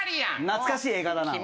懐かしい映画だなおい。